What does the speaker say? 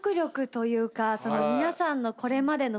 皆さんの。